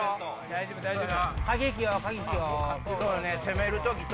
大丈夫大丈夫！